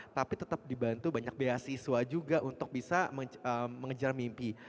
tapi tetap dibantu banyak beasiswa juga untuk bisa mengejar mimpi